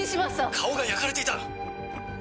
顔が焼かれていた。